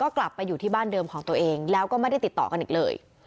กลับไปอยู่ที่บ้านเดิมของตัวเองแล้วก็ไม่ได้ติดต่อกันอีกเลย